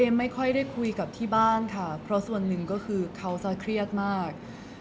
ไม่ค่อยได้คุยกับที่บ้านค่ะเพราะส่วนหนึ่งก็คือเขาจะเครียดมาก